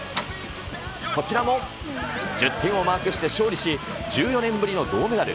こちらも１０点をマークして勝利し、１４年ぶりの銅メダル。